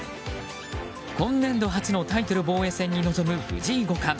今年度初のタイトル防衛戦に臨む藤井五冠。